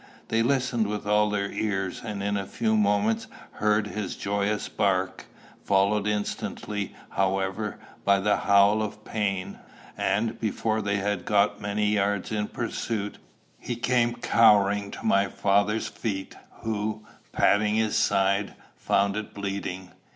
They listened with all their ears, and in a few moments heard his joyous bark, followed instantly, however, by a howl of pain; and, before they had got many yards in pursuit, he came cowering to my father's feet, who, patting his side, found it bleeding.